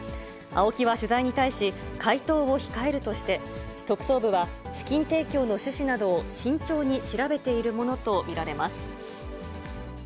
ＡＯＫＩは取材に対し、回答を控えるとして、特捜部は、資金提供の趣旨などを慎重に調べているものと見られます。